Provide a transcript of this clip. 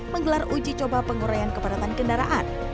menggelar uji coba penguraian kepadatan kendaraan